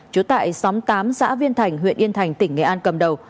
trú tại xóm tám xã viên thành huyện yên thành tỉnh nghệ an cầm đầu